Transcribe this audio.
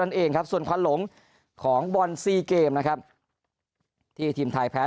นั่นเองครับส่วนควันหลงของบอลซีเกมนะครับที่ทีมไทยแพ้